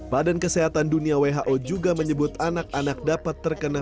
badan kesehatan dunia who juga menyebut anak anak dapat terkena